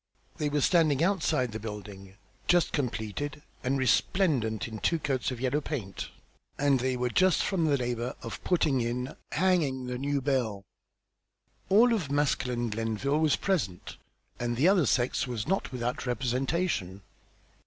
They were standing outside the building, just completed and resplendent in two coats of yellow paint, and they were just from the labour of putting in, "hangin'" the new bell. All of masculine Glenville was present, and the other sex was not without representation.